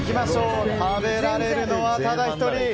食べられるのは、ただ１人。